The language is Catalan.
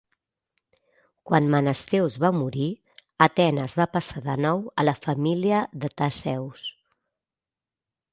Quan Menestheus va morir, Atenes va passar de nou a la família de Theseus.